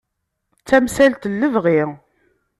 D tamsalt n lebɣi.